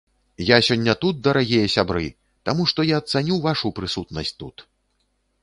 Я сёння тут, дарагія сябры, таму, што я цаню вашу прысутнасць тут.